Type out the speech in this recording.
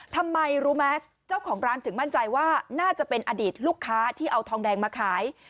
ทำไมรู้ไหมเจ้าของร้านถึงมั่นใจว่าน่าจะเป็นอดีตลูกค้าที่เอาทองแดงมาขาย